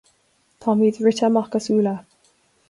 Táimid rite amach as úlla.